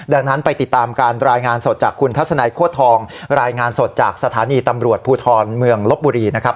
ดังนั้นไปติดตามการรายงานสดจากคุณทัศนัยโคตรทองรายงานสดจากสถานีตำรวจภูทรเมืองลบบุรีนะครับ